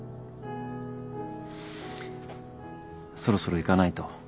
そろそろ行かないと。